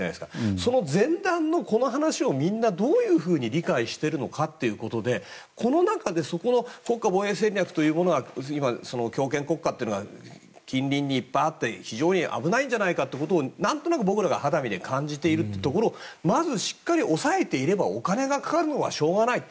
その前段の、この話をみんなどういうふうに理解しているのかということでこの中でその国家防衛戦略というのは強権国家というのは近隣にいっぱいあって非常に危ないんじゃないかということを何となく僕らが肌身で感じているところをまず、しっかり押さえていればお金がかかるのはしょうがないと。